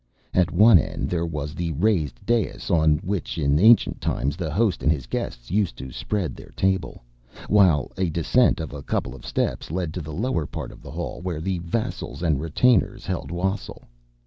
At one end there was the raised dais, on which in ancient times the host and his guests used to spread their table, while a descent of a couple of steps led to the lower part of the hall, where the vassals and retainers held wassail.